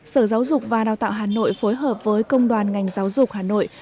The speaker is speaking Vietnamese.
sở giáo dục và đào tạo hà nội phối hợp với công đoàn ngành giáo dục hà nội